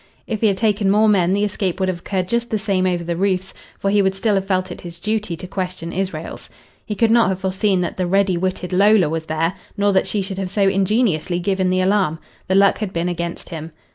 If he had taken more men the escape would have occurred just the same over the roofs, for he would still have felt it his duty to question Israels. He could not have foreseen that the ready witted Lola was there, nor that she should have so ingeniously given the alarm. The luck had been against him.